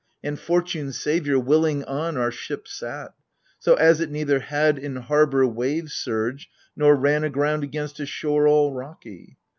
And Fortune, saviour, willing on our ship sat. So as it neither had in harbour wave surge Nor ran aground against a shore all rocky.